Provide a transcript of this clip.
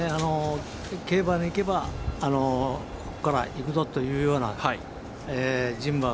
競馬に行けばここから行くぞというような人馬